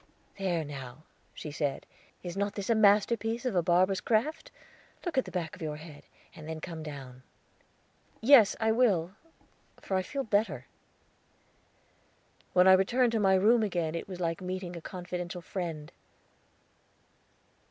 "There, now," she said, "is not this a masterpiece of barber's craft? Look at the back of your head, and then come down." "Yes, I will, for I feel better." When I returned to my room again it was like meeting a confidential friend.